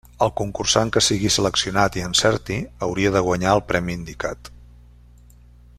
El concursant que sigui seleccionat i encerti hauria de guanyar el premi indicat.